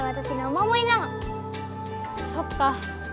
そっか。